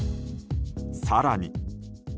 更に。